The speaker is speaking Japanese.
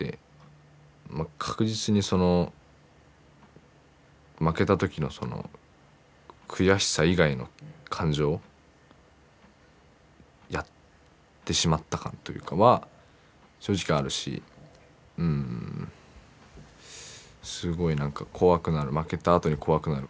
確実に負けた時の悔しさ以外の感情やってしまった感というかは正直あるしすごい何か怖くなる負けたあとに怖くなる。